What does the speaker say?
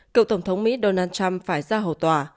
cựu tổng thống mỹ donald trump phải ra hầu tòa